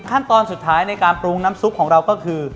ขั้นตอนสุดท้ายในการปรุงน้ำซุปของเราก็คือ